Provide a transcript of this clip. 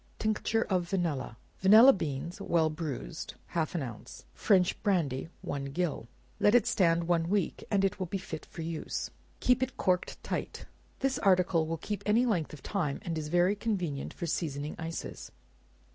Tincture of Vanilla. Vanilla beans, well bruised, half an ounce; French brandy, one gill; let it stand one week, and it will be fit for use. Keep it corked tight. This article will keep any length of time, and is very convenient for seasoning ices.